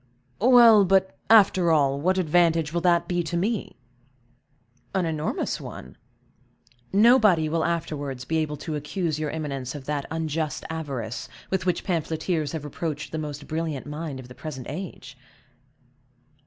"Well, but, after all, what advantage will that be to me?" "An enormous one. Nobody will afterwards be able to accuse your eminence of that unjust avarice with which pamphleteers have reproached the most brilliant mind of the present age."